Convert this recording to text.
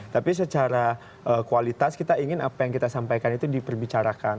tapi secara kualitas kita ingin apa yang kita sampaikan itu diperbicarakan